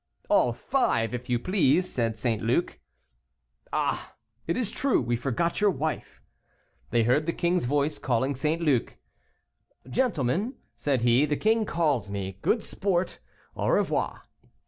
"All five if you please," said St. Luc. "Ah! it is true, we forgot your wife." They heard the king's voice calling St. Luc. "Gentlemen," said he, "the king calls me. Good sport, au revoir."